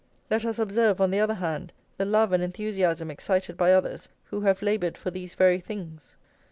Let us observe, on the other hand, the love and enthusiasm excited by others who have laboured for these very things.